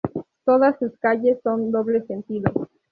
Todas sus calles son doble sentido.